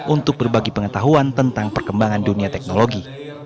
untuk berbagi pengetahuan tentang perkembangan dunia teknologi